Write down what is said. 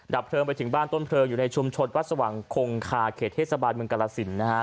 เพลิงไปถึงบ้านต้นเพลิงอยู่ในชุมชนวัดสว่างคงคาเขตเทศบาลเมืองกรสินนะฮะ